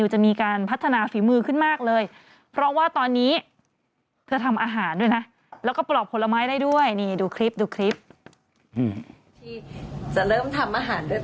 ให้เป็นชิ้นเล็กเล็กพอประมาณคับนะคะแล้วก็ใส่ลงไปผัดก่อนเพื่อให้ผักตรงเนี้ยมันนิ่ม